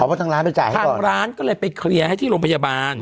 ว่าทางร้านไปจ่ายให้ทางร้านก็เลยไปเคลียร์ให้ที่โรงพยาบาล